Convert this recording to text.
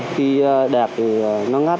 khi đặt thì nó ngắt